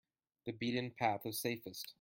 The beaten path is safest.